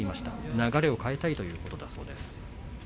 流れを変えたいということだそうです。